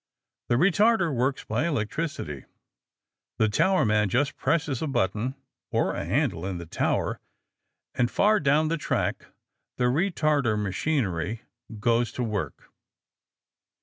The retarder works by electricity. The towerman just presses a button or a handle in the tower, and far down the track the retarder machinery goes to work.